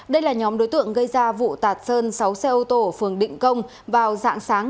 đây là nhóm đối tượng gây ra vụ tạt sơn sáu xe ô tô ở phường định công vào dạng sáng